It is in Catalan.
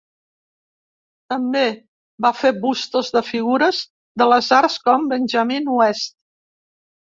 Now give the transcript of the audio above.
També va fer bustos de figures de les arts com Benjamin West.